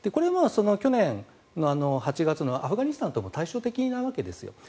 これは去年８月のアフガニスタンとは対照的なわけです。